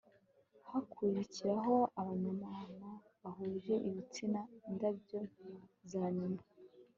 hakurikiraho abaryamana bahuje ibitsina indabyo zanyuma